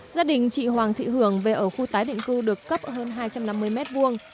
gia đình chị hoàng thị hưởng về ở khu tái định cư được cấp hơn hai trăm năm mươi mét vuông